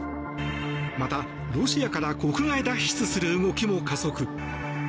また、ロシアから国外脱出する動きも加速。